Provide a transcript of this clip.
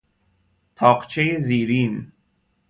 تاقچهی زیرین